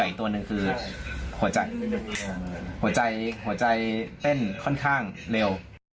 อีกตัวหนึ่งคือหัวใจหัวใจเต้นค่อนข้างเร็ว